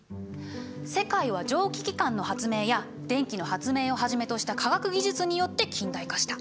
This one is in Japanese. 世界は蒸気機関の発明や電気の発明をはじめとした科学技術によって近代化した。